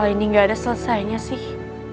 ini nggak ada selesainya sih